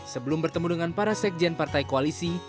sebelum bertemu dengan para sekjen partai koalisi